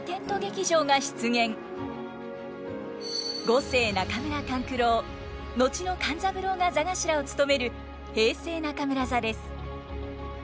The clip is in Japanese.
五世中村勘九郎後の勘三郎が座頭を務める平成中村座です。